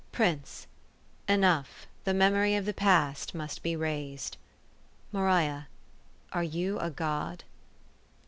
PRINCE :" Enough. The memory of the past be razed." MABIA :" Are you a God